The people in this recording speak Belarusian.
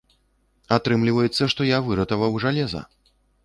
Атрымліваецца, што я выратаваў жалеза.